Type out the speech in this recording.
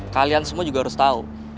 kalian semua juga harus tahu